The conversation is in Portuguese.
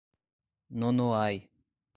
Nonoai